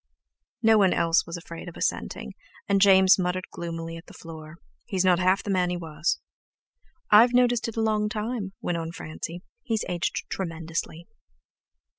No one else was afraid of assenting, and James muttered gloomily at the floor: "He's not half the man he was." "I've noticed it a long time," went on Francie; "he's aged tremendously."